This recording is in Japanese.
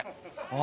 あ。